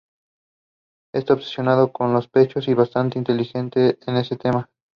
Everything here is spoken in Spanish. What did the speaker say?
Está obsesionada con los pechos, y es bastante inteligente en ese tema.